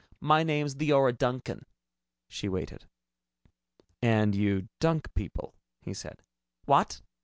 "My name's Leora Duncan." She waited. "And you dunk people," he said. "What?"